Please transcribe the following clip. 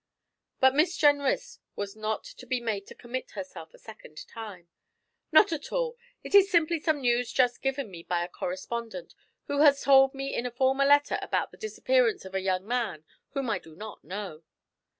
But Miss Jenrys was not to be made to commit herself a second time. 'Not at all; it is simply some news just given me by a correspondent, who has told me in a former letter about the disappearance of a young man whom I do not know.'